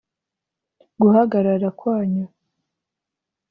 Guhagarara kwanyu